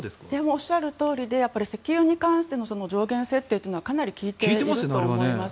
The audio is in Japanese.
おっしゃるとおりで石油に関する上限設定は効いていると思います。